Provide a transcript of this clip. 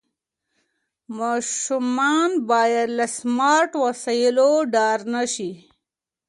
ماشومان باید له سمارټ وسایلو ډار نه سي.